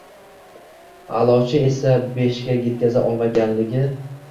Aʼlochi esa besh ga yetkaza olmaganligi